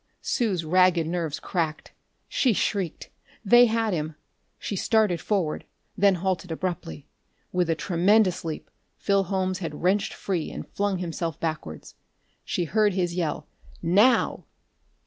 Sue's ragged nerves cracked: she shrieked. They had him! She started forward, then halted abruptly. With a tremendous leap, Phil Holmes had wrenched free and flung himself backwards. She heard his yell: "Now!"